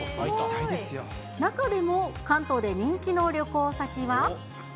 中でも、関東で人気の旅行先は。